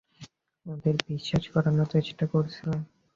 ওদের বিশ্বাস করানোর চেষ্টা করছিলাম।